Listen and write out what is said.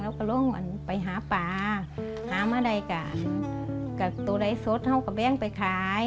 แล้วก็ลงไปหาปลาหาอะไรกะตัวไอ้สดเขาก็แบ่งไปขาย